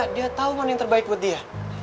dia tau kan yang terbaik buat dia